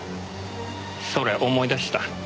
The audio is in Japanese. それ思い出した。